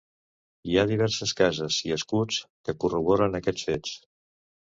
Hi ha diverses cases i escuts que corroboren aquests fets.